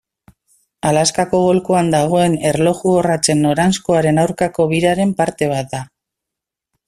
Alaskako golkoan dagoen erloju-orratzen noranzkoaren aurkako biraren parte bat da.